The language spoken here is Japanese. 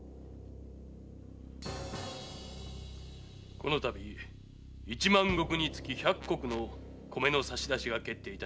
この度一万石につき百石の米の差し出しが決定いたしました。